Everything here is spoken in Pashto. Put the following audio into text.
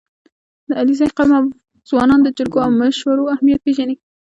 • د علیزي قوم ځوانان د جرګو او مشورو اهمیت پېژني.